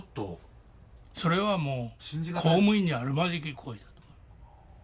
それはもう公務員にあるまじき行為だと思います。